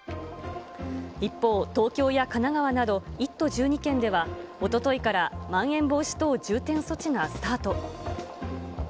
一方、東京や神奈川など１都１２県では、おとといからまん延防止等重点措置がスタート。